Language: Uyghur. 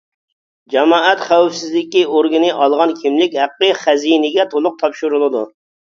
جامائەت خەۋپسىزلىكى ئورگىنى ئالغان كىملىك ھەققى خەزىنىگە تولۇق تاپشۇرۇلىدۇ.